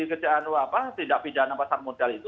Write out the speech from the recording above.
kejahatan pasar modal itu